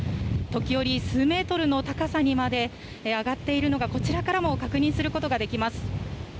時折、数メートルの高さにまで上がっているのが、こちらからも確認することができます。